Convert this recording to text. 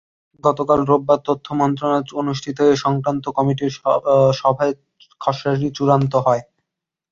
গতকাল রোববার তথ্য মন্ত্রণালয়ে অনুষ্ঠিত এ-সংক্রান্ত কমিটির সভায় খসড়াটি চূড়ান্ত হয়।